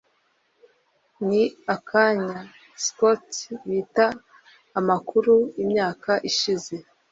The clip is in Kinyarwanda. Niki Abanya-Scots bita Amakuru Imyaka ishize